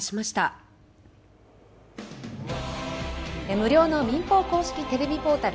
無料の民放公式テレビポータル